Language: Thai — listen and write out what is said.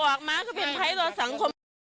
อากมาก็เป็นภัยตัวสังคม